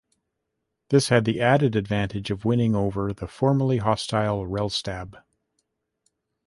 This had the added advantage of winning over the formerly hostile Rellstab.